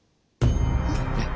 えっ！？